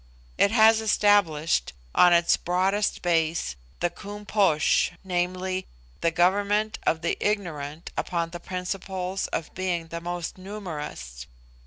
It has established, on its broadest base, the Koom Posh viz., the government of the ignorant upon the principle of being the most numerous.